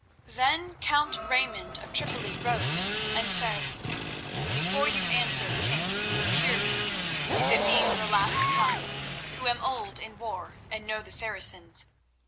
Then Count Raymond of Tripoli rose, and said: "Before you answer, king, hear me, if it be for the last time, who am old in war and know the Saracens.